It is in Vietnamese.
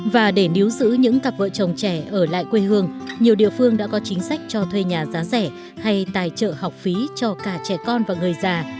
và để níu giữ những cặp vợ chồng trẻ ở lại quê hương nhiều địa phương đã có chính sách cho thuê nhà giá rẻ hay tài trợ học phí cho cả trẻ con và người già